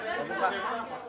terima kasih banyak